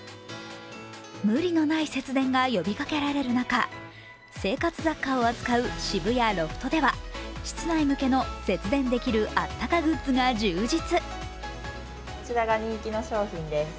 無理のない節電が呼びかけられる中、生活雑貨を扱う渋谷ロフトでは室内向けの節電できるあったかグッズが充実。